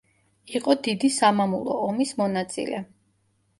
იყო დიდი სამამულო ომის მონაწილე.